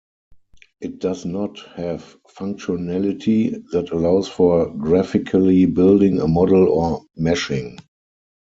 It does not have functionality that allows for graphically building a model or meshing.